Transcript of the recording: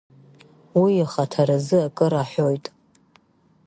Уи ихаҭаразы кыр аҳәоит.